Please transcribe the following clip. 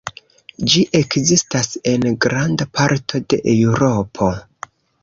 Ĝi ekzistas en granda parto de Eŭropo.